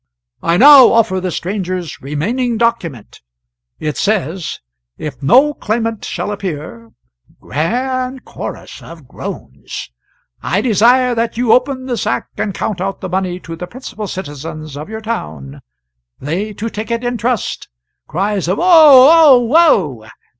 I now offer the stranger's remaining document. It says: 'If no claimant shall appear [grand chorus of groans], I desire that you open the sack and count out the money to the principal citizens of your town, they to take it in trust [Cries of "Oh! Oh! Oh!"